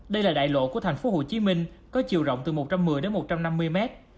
đây là đại lộ của thành phố hồ chí minh có chiều rộng từ một trăm một mươi đến một trăm năm mươi mét